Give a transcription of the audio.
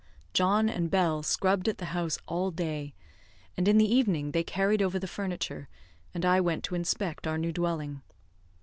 John and Bell scrubbed at the house all day, and in the evening they carried over the furniture, and I went to inspect our new dwelling.